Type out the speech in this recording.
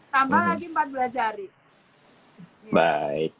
tambah lagi empat belas jari